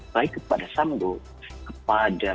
baik kepada sambo kepada